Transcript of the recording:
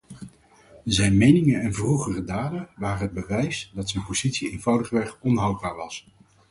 Zijn meningen en vroegere daden waren het bewijs dat zijn positie eenvoudigweg onhoudbaar was.